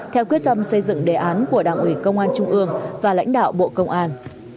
theo quyết tâm xây dựng đề án của đảng ủy công an trung ương và lãnh đạo bộ công an